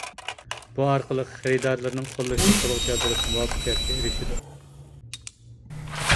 بۇ ئارقىلىق خېرىدارلىرىنىڭ قوللىشىنى قولغا كەلتۈرۈپ مۇۋەپپەقىيەتكە ئېرىشىدۇ.